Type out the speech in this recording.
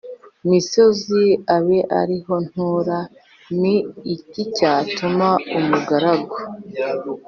misozi abe ari ho ntura Ni iki cyatuma umugaragu